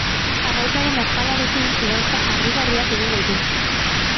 Arrautzaren azalarekin gauza harrigarriak egin daitezke.